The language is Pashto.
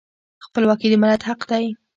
خپلواکي د ملت حق دی.